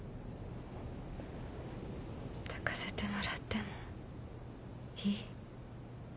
抱かせてもらってもいい？